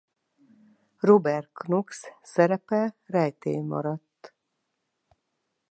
Rober Knox szerepe rejtély maradt.